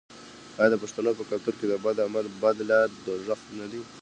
آیا د پښتنو په کلتور کې د بد عمل بدله دوزخ نه دی؟